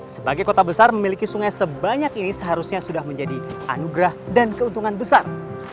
sebagai kota besar memiliki sungai sebanyak ini seharusnya sudah menjadi anugerah dan keuntungan besar